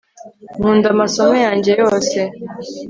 nkunda amasomo yanjye yose